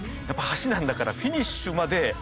やっぱ箸なんだからフィニッシュまで。